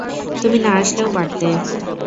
তুমি না আসলেও পারতে।